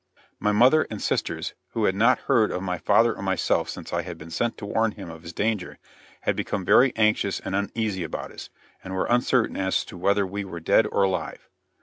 My mother and sisters, who had not heard of my father or myself since I had been sent to warn him of his danger, had become very anxious and uneasy about us, and were uncertain as to whether we were dead or alive.